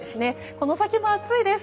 この先は暑いです。